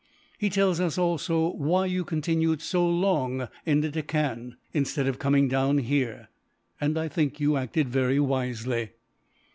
He tells us, also, why you continued so long in the Deccan, instead of coming down here; and I think you acted very wisely.